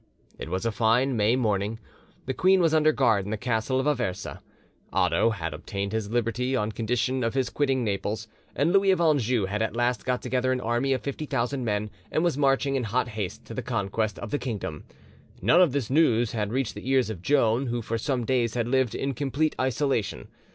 It was a fine May morning: the queen was under guard in the castle of Aversa: Otho had obtained his liberty on condition of his quitting Naples, and Louis of Anjou had at last got together an army of 50,000 men and was marching in hot haste to the conquest of the kingdom. None of this news had reached the ears of Joan, who for some days had lived in complete isolation.